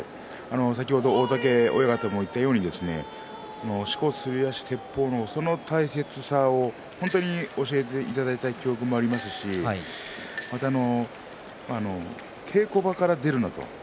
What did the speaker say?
先ほど、大嶽親方も言ったようにしこ、すり足、てっぽうそういうことを教えていただいたこともありますし稽古場から出るなと。